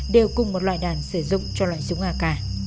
đều cùng một loại đạn sử dụng cho loại súng ak